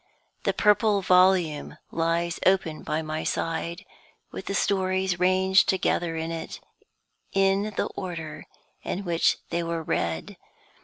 The Purple Volume lies open by my side, with the stories ranged together in it in the order in which they were read.